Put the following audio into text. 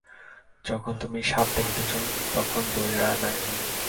যখন তুমি সাপ দেখিতেছ, তখন দড়ি আর নাই।